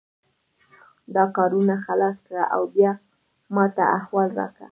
دا کارونه خلاص کړه او بیا ماته احوال راکړه